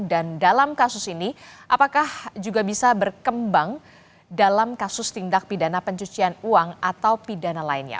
dan dalam kasus ini apakah juga bisa berkembang dalam kasus tindak pidana pencucian uang atau pidana lainnya